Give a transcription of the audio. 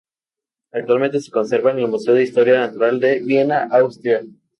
Actualmente se conserva en el Museo de Historia Natural de Viena, Austria.